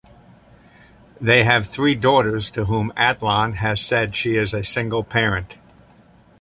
They have three daughters, to whom Adlon has said she is a single parent.